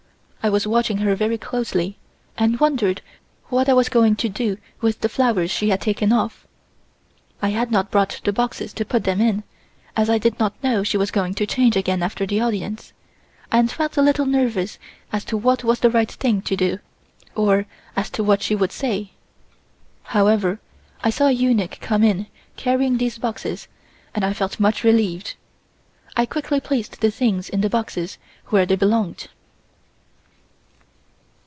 I was watching her very closely and wondered what I was going to do with the flowers she had taken off. I had not brought the boxes to put them in, as I did not know she was going to change again after the audience, and felt a little nervous as to what was the right thing to do, or as to what she would say. However, I saw a eunuch come in carrying these boxes and felt much relieved. I quickly placed the things in the boxes where they belonged.